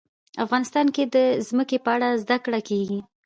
افغانستان کې د ځمکه په اړه زده کړه کېږي.